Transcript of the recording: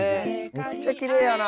めっちゃきれいやな。